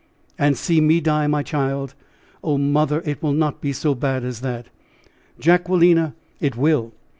"And see me die, my child?" "Oh, mother! it will not be so bad as that." "Jacquelina, it will.